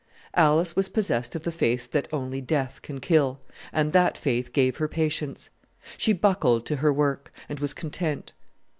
Alice was possessed of the faith that only death can kill, and that faith gave her patience. She buckled to her work, and was content.